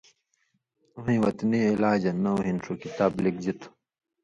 ہُویں ”وطنی علاجہ“ نؤں ہِن ݜُو کتاب لِکژی تُھو۔